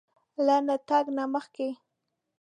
له نه تګ نه مخکې